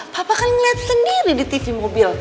papa kan ngeliat sendiri di tv mobil